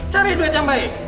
cari duit yang baik